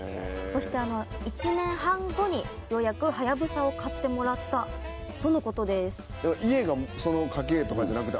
そして１年半後にようやくハヤブサを買ってもらったとの事です。